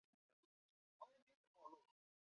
最好是给我在星期五早上